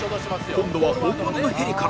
今度は本物のヘリから